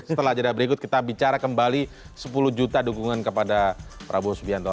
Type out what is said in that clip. setelah jadwal berikut kita bicara kembali sepuluh juta dukungan kepada prabowo subianto